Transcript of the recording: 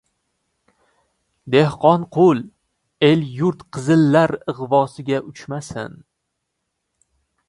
— Dehqonqul! El-yurt qizillar ig‘vosiga uchmasin.